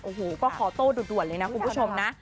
โอ้โหก็ขอโต้ด่วนเลยนะคุณผู้ชมนะ